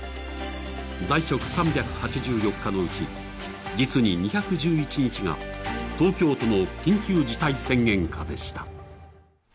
在職３８４日のうち実に２１１日が東京都の緊急事態宣言下でした。